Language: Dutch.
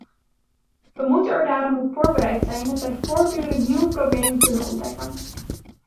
We moeten er daarom op voorbereid zijn dat wij voortdurend nieuwe problemen kunnen ontdekken.